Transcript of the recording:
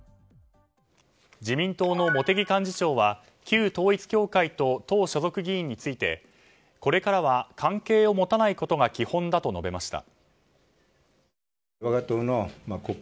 自民党の茂木幹事長は旧統一教会と党所属議員についてこれからは関係を持たないことが基本だと述べました。